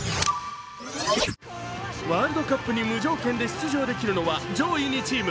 ワールドカップに無条件で出場できるのは上位２チーム。